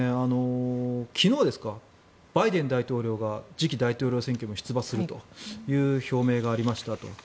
昨日ですか、バイデン大統領が次期大統領選挙に出馬するという表明がありましたと。